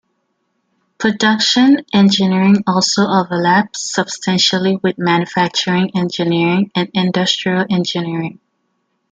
Production engineering also overlaps substantially with manufacturing engineering and industrial engineering.